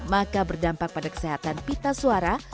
maka berdampak pada kesehatan pita suara